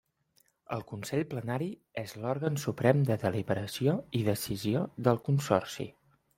El Consell Plenari és l'òrgan suprem de deliberació i decisió del Consorci.